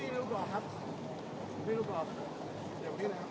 สวัสดีครับ